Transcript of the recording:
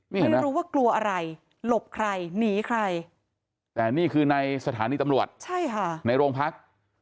ไม่รู้ว่ากลัวอะไรหลบใครหนีใครแต่นี่คือในสถานีตำรวจใช่ค่ะในโรงพัก